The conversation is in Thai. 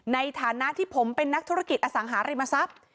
ในฐานะที่ผมเป็นนักธุรกิจอสังหาริมทรัพย์